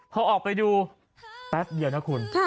พอออกไปดูแป๊บเดียวนะคุณ